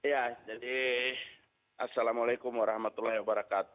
ya jadi assalamualaikum wr wb